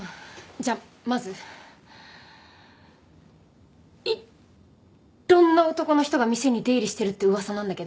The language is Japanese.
じゃあまずいっろんな男の人が店に出入りしてるって噂なんだけど。